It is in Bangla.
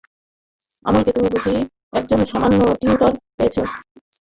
অমলকে তুমি বুঝি একজন সামান্য টিউটর পেয়েছ?